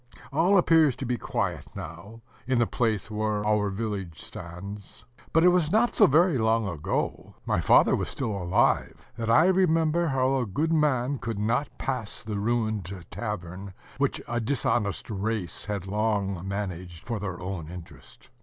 All appears to be quiet now, in the place where our village stands; but it was not so very long ago my father was still alive that I remember how a good man could not pass the ruined tavern, which a dishonest race had long managed for their own interest.